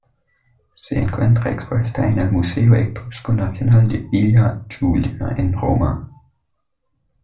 Se encuentra expuesta en el Museo Etrusco Nacional de Villa Giulia en Roma.